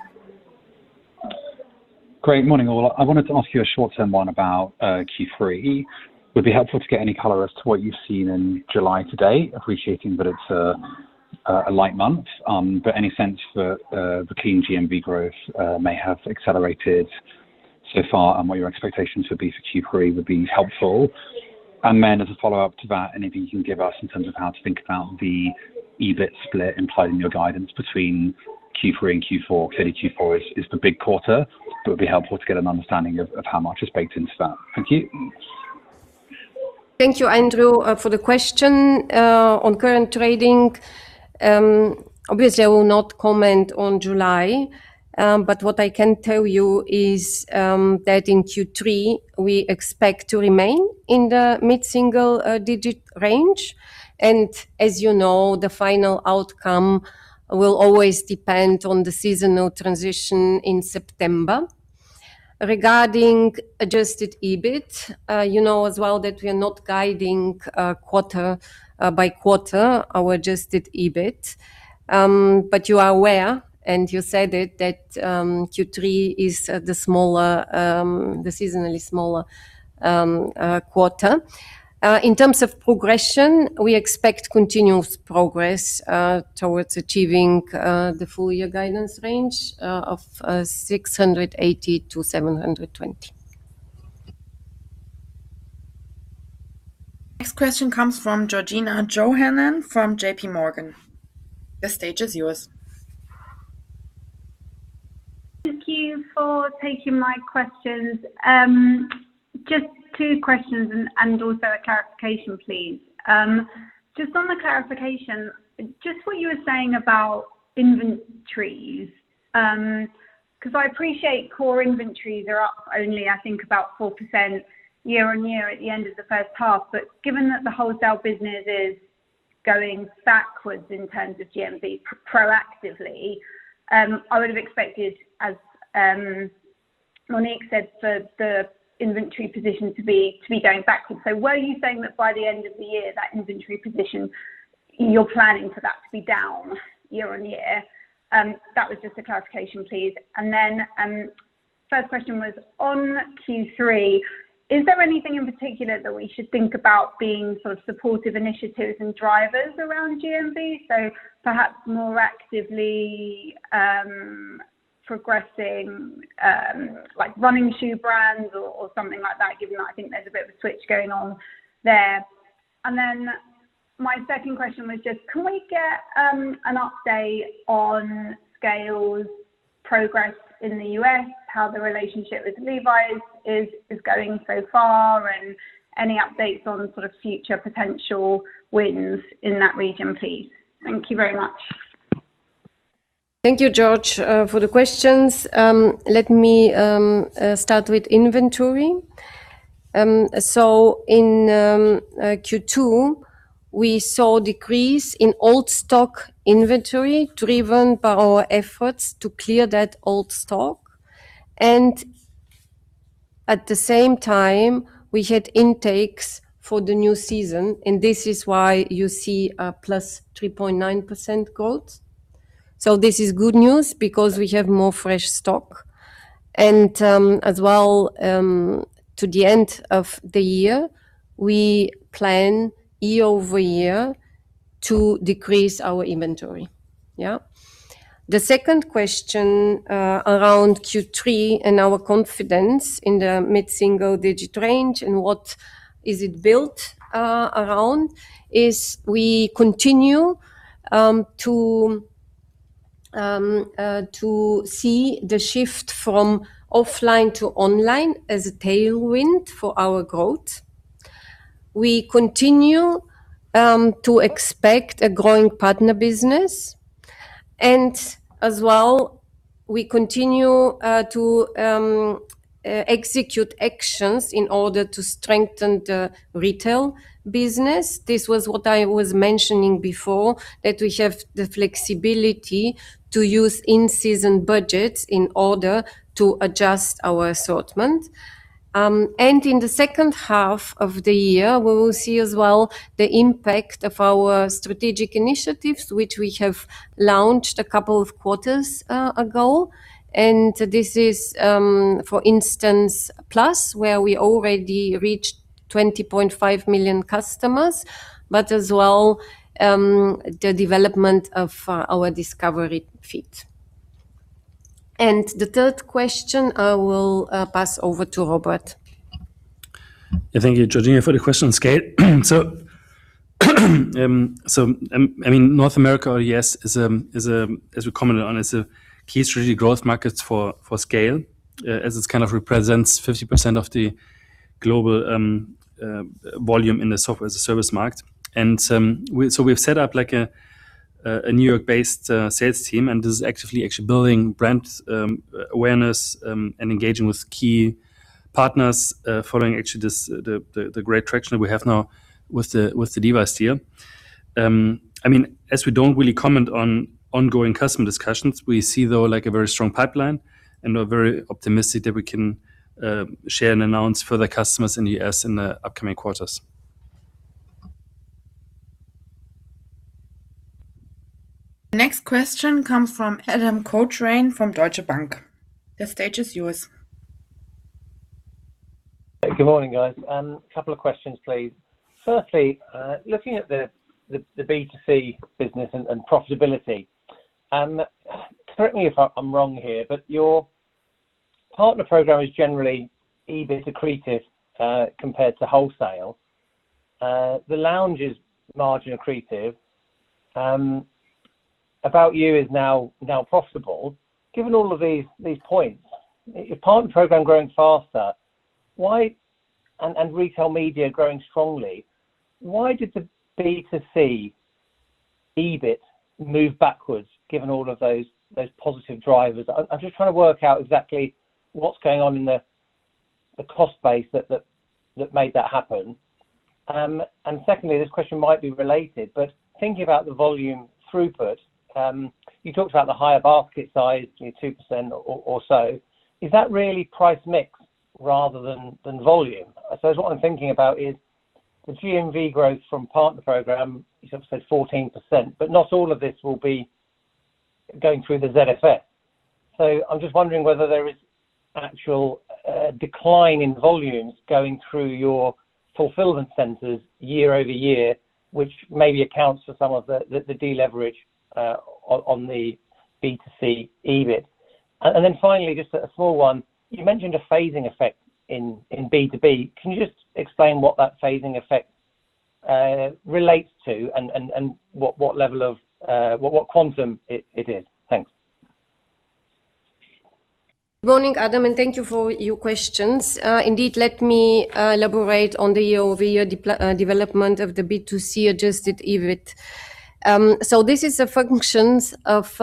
Great morning, all. I wanted to ask you a short-term one about Q3. Would be helpful to get any color as to what you've seen in July today, appreciating that it's a light month. Any sense that the keen GMV growth may have accelerated so far, and what your expectations would be for Q3 would be helpful. Then as a follow-up to that, anything you can give us in terms of how to think about the EBIT split implied in your guidance between Q3 and Q4. Clearly Q4 is the big quarter, but it would be helpful to get an understanding of how much is baked into that. Thank you. Thank you, Andrew, for the question. On current trading, obviously I will not comment on July. What I can tell you is that in Q3, we expect to remain in the mid-single digit range. As you know, the final outcome will always depend on the seasonal transition in September. Regarding adjusted EBIT, you know as well that we are not guiding quarter by quarter, our adjusted EBIT. You are aware, and you said it, that Q3 is the seasonally smaller quarter. In terms of progression, we expect continuous progress towards achieving the full year guidance range of 680 million-720 million. Next question comes from Georgina Johanan from JPMorgan. The stage is yours. Thank you for taking my questions. Just two questions and also a clarification, please. Just on the clarification, just what you were saying about inventories, because I appreciate core inventories are up only, I think, about 4% year-over-year at the end of the first half. Given that the wholesale business is going backwards in terms of GMV proactively, I would have expected, as Monique said, for the inventory position to be going backwards. Were you saying that by the end of the year, that inventory position, you're planning for that to be down year-on-year? That was just a clarification, please. First question was on Q3, is there anything in particular that we should think about being sort of supportive initiatives and drivers around GMV? Perhaps more actively progressing, like running shoe brands or something like that, given I think there's a bit of a switch going on there. My second question was just can we get an update on SCAYLE's progress in the U.S., how the relationship with Levi's is going so far, and any updates on sort of future potential wins in that region, please? Thank you very much. Thank you, Georgina, for the questions. Let me start with inventory. In Q2, we saw decrease in old stock inventory driven by our efforts to clear that old stock. At the same time, we had intakes for the new season, and this is why you see a +3.9% growth. This is good news because we have more fresh stock. As well, to the end of the year, we plan year-over-year to decrease our inventory. The second question, around Q3 and our confidence in the mid-single-digit range, and what is it built around is we continue to see the shift from offline to online as a tailwind for our growth. We continue to expect a growing partner business. As well, we continue to execute actions in order to strengthen the retail business. This was what I was mentioning before, that we have the flexibility to use in-season budgets in order to adjust our assortment. In the second half of the year, we will see as well the impact of our strategic initiatives, which we have launched a couple of quarters ago. This is, for instance, Plus, where we already reached 20.5 million customers, but as well, the development of our discovery feed. The third question, I will pass over to Robert. Thank you, Georgina, for the question on SCAYLE. North America or U.S. is, as we commented on, is a key strategic growth markets for SCAYLE, as it kind of represents 50% of the global volume in the software service market. We've set up a New York-based sales team, and this is actively building brand awareness, and engaging with key partners, following actually the great traction that we have now with the Levi's deal. We don't really comment on ongoing customer discussions, we see though, a very strong pipeline and are very optimistic that we can share and announce further customers in U.S. in the upcoming quarters. Next question comes from Adam Cochrane from Deutsche Bank. The stage is yours. Good morning, guys. Couple of questions, please. Firstly, looking at the B2C business and profitability, correct me if I am wrong here, your partner program is generally EBIT accretive, compared to wholesale. The Lounge is margin accretive. ABOUT YOU is now profitable. Given all of these points, your partner program growing faster and retail media growing strongly, why did the B2C EBIT move backwards given all of those positive drivers? I am just trying to work out exactly what is going on in the cost base that made that happen. Secondly, this question might be related, thinking about the volume throughput, you talked about the higher basket size, 2% or so. Is that really price mix rather than volume? I suppose what I am thinking about is the GMV growth from partner program is up, say 14%, not all of this will be going through the ZFS. I am just wondering whether there is actual decline in volumes going through your fulfillment centers year-over-year, which maybe accounts for some of the deleverage on the B2C EBIT. Then finally, just a small one. You mentioned a phasing effect in B2B. Can you just explain what that phasing effect is, what it relates to and what level of what quantum it is. Thanks. Morning, Adam, and thank you for your questions. Indeed, let me elaborate on the year-over-year development of the B2C adjusted EBIT. This is a functions of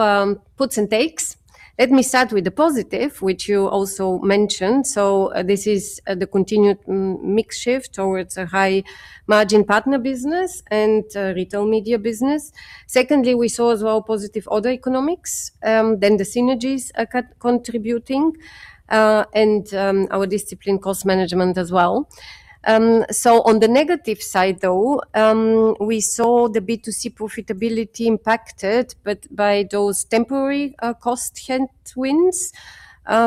puts and takes. Let me start with the positive, which you also mentioned. This is the continued mix shift towards a high margin partner business and retail media business. Secondly, we saw as well positive other economics, the synergies are contributing, our disciplined cost management as well. On the negative side, though, we saw the B2C profitability impacted by those temporary cost headwinds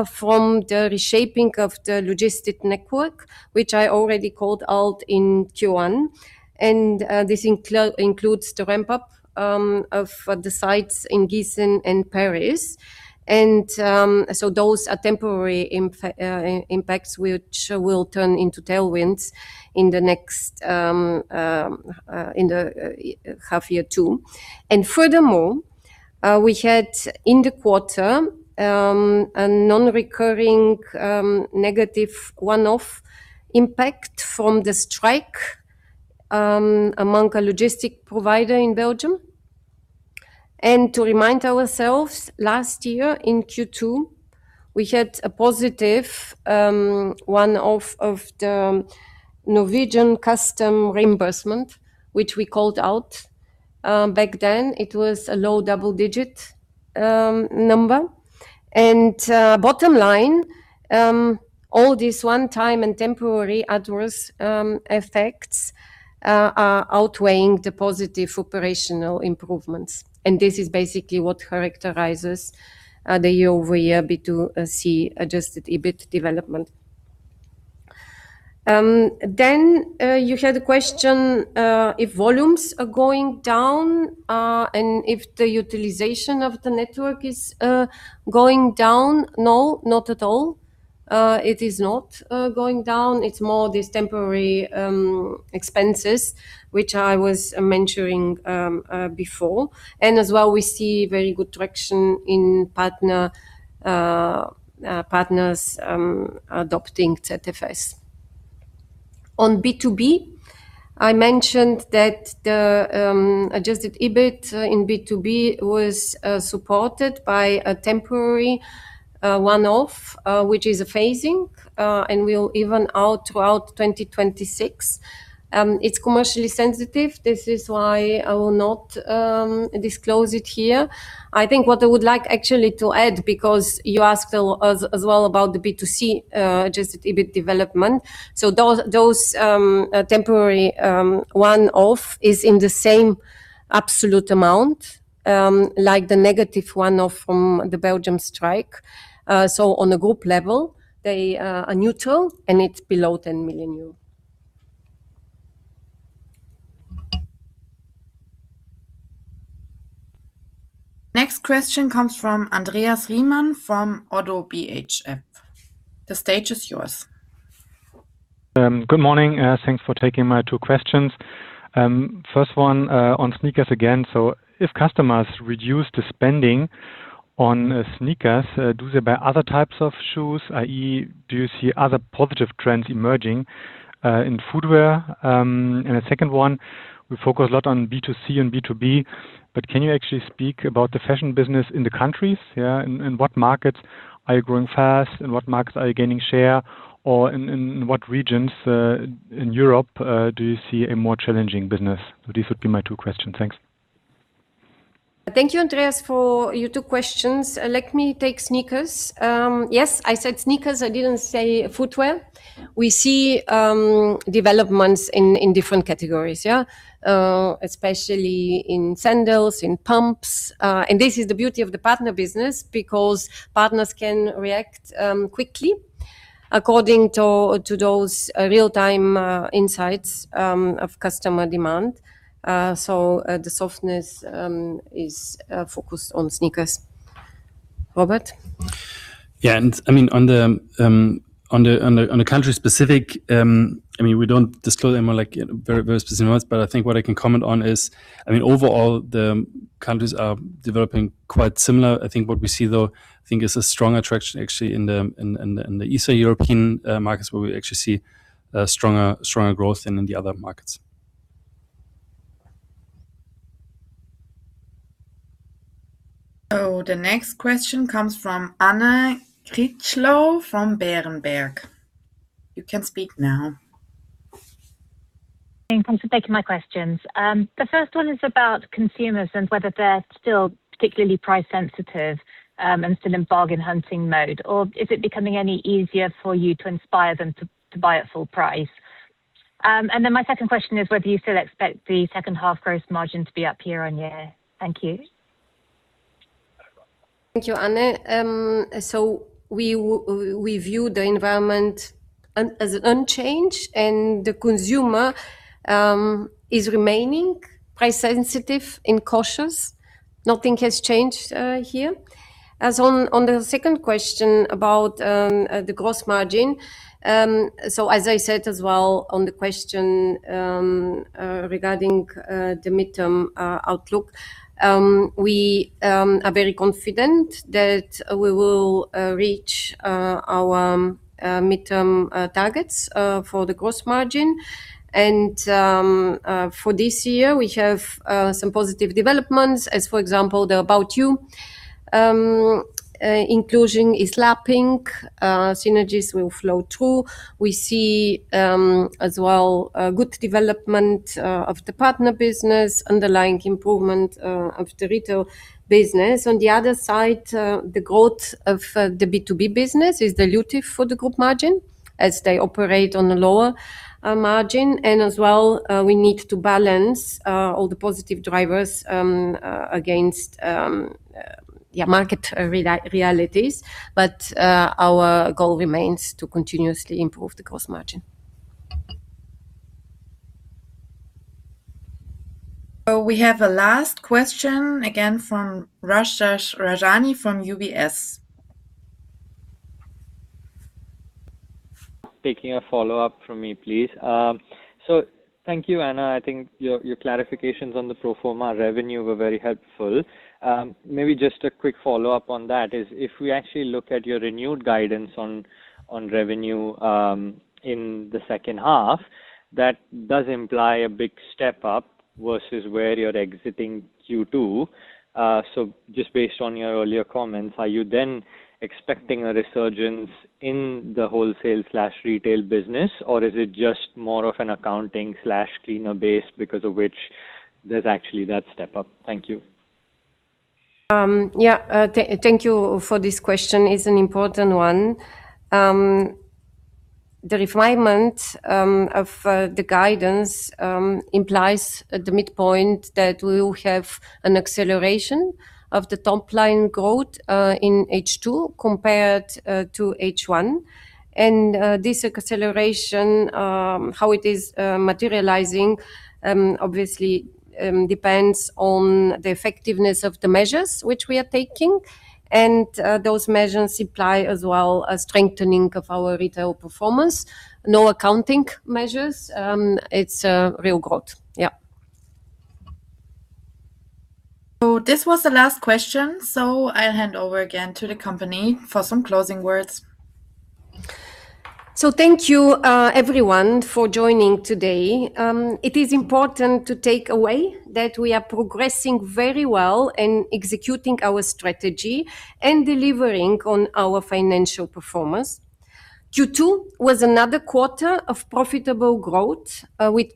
from the reshaping of the logistic network, which I already called out in Q1. This includes the ramp-up of the sites in Giessen and Paris. Those are temporary impacts which will turn into tailwinds in the next half year too. Furthermore, we had, in the quarter, a non-recurring negative one-off impact from the strike among a logistic provider in Belgium. To remind ourselves, last year in Q2, we had a positive one-off of the Norwegian custom reimbursement, which we called out. Back then, it was a low double-digit number. Bottom line, all these one-time and temporary adverse effects are outweighing the positive operational improvements. This is basically what characterizes the year-over-year B2C adjusted EBIT development. You had a question, if volumes are going down and if the utilization of the network is going down. No, not at all. It is not going down. It's more this temporary expenses, which I was mentioning before. As well, we see very good traction in partners adopting ZFS. On B2B, I mentioned that the adjusted EBIT in B2B was supported by a temporary one-off which is a phasing, and will even out throughout 2026. It's commercially sensitive. This is why I will not disclose it here. I think what I would like actually to add, because you asked as well about the B2C adjusted EBIT development. Those temporary one-off is in the same absolute amount, like the negative one-off from the Belgium strike. On a group level, they are neutral, and it's below 10 million euro. Next question comes from Andreas Riemann from ODDO BHF. The stage is yours. Good morning. Thanks for taking my two questions. First one, on sneakers again. If customers reduce the spending on sneakers, do they buy other types of shoes, i.e. do you see other positive trends emerging in footwear? The second one, we focus a lot on B2C and B2B, but can you actually speak about the fashion business in the countries? Yeah. In what markets are you growing fast, in what markets are you gaining share, or in what regions in Europe do you see a more challenging business? These would be my two questions. Thanks. Thank you, Andreas, for your two questions. Let me take sneakers. Yes, I said sneakers, I didn't say footwear. We see developments in different categories, yeah. Especially in sandals, in pumps, and this is the beauty of the partner business because partners can react quickly according to those real-time insights of customer demand. The softness is focused on sneakers. Robert? Yeah, on the country specific, we don't disclose any more like very specific numbers, but I think what I can comment on is overall, the countries are developing quite similar. I think what we see, though, is a strong attraction actually in the Eastern European markets, where we actually see stronger growth than in the other markets. The next question comes from Anne Critchlow from Berenberg. You can speak now. Thanks for taking my questions. The first one is about consumers and whether they're still particularly price sensitive and still in bargain hunting mode, or is it becoming any easier for you to inspire them to buy at full price? Then my second question is, whether you still expect the second half gross margin to be up year-on-year. Thank you. Thank you, Anne. We view the environment as unchanged and the consumer is remaining price sensitive and cautious. Nothing has changed here. As on the second question about the gross margin. As I said as well on the question regarding the midterm outlook, we are very confident that we will reach our midterm targets for the gross margin. For this year, we have some positive developments as, for example, the ABOUT YOU inclusion is lapping. Synergies will flow too. We see as well a good development of the partner business, underlying improvement of the retail business. On the other side, the growth of the B2B business is dilutive for the group margin as they operate on a lower margin. As well, we need to balance all the positive drivers against market realities. Our goal remains to continuously improve the gross margin. We have a last question again from Yashraj Rajani from UBS. Taking a follow-up from me, please. Thank you, Anna. I think your clarifications on the pro forma revenue were very helpful. Maybe just a quick follow-up on that is if we actually look at your renewed guidance on revenue in the second half, that does imply a big step up versus where you're exiting Q2. Just based on your earlier comments, are you then expecting a resurgence in the wholesale/retail business, or is it just more of an accounting/cleaner base because of which there's actually that step up? Thank you. Thank you for this question. It's an important one. The refinement of the guidance implies the midpoint that we will have an acceleration of the top-line growth in H2 compared to H1. This acceleration, how it is materializing, obviously depends on the effectiveness of the measures which we are taking, and those measures imply as well a strengthening of our retail performance. No accounting measures. It's a real growth. This was the last question. I'll hand over again to the company for some closing words. Thank you everyone for joining today. It is important to take away that we are progressing very well in executing our strategy and delivering on our financial performance. Q2 was another quarter of profitable growth, with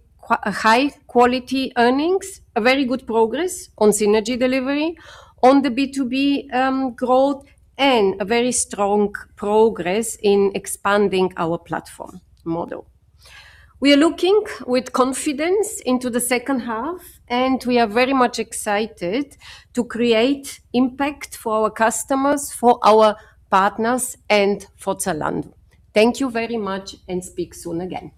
high-quality earnings, a very good progress on synergy delivery, on the B2B growth, and a very strong progress in expanding our platform model. We are looking with confidence into the second half, and we are very much excited to create impact for our customers, for our partners, and for Zalando. Thank you very much, and speak soon again.